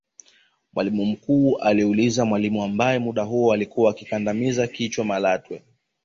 Mwalimu mkuu alimuuliza mwalimu ambaye muda huo alikuwa akimkandamiza kichwa Malatwe